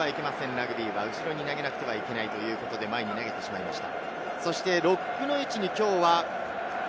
ラグビーは後ろに投げなくてはいけないということで、前に投げてしまいました。